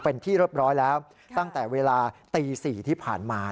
เป็นที่เรียบร้อยแล้วตั้งแต่เวลาตี๔ที่ผ่านมา